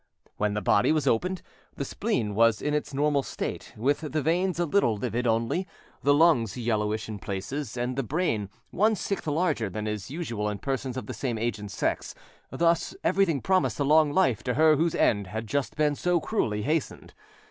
When the body was opened, the spleen was in its normal state, with the veins a little livid only, the lungs yellowish in places, and the brain one sixth larger than is usual in persons of the same age and sex; thus everything promised a long life to her whose end had just been so cruelly hastened.